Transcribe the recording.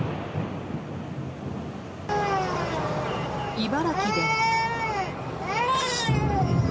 茨城でも。